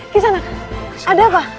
ke sana ada apa